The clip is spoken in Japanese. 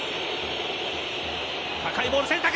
高いボール、選択。